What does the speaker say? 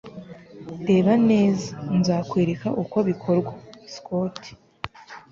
Reba neza, nzakwereka uko bikorwa. (Scott)